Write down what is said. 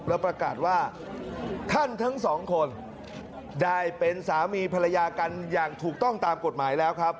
แล้วประกาศว่าท่านทั้งสองคนได้เป็นสามีภรรยากันอย่างถูกต้องตามกฎหมายแล้วครับ